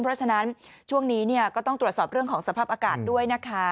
เพราะฉะนั้นช่วงนี้ก็ต้องตรวจสอบเรื่องของสภาพอากาศด้วยนะคะ